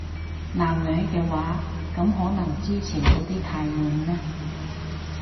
男女嘅話，噉可能以前嗰啲太悶呢